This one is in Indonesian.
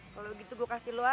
kalau gitu gue kasih lo aja